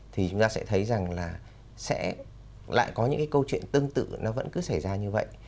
thì chúng ta sẽ thấy rằng là sẽ lại có những cái câu chuyện tương tự nó vẫn cứ xảy ra như vậy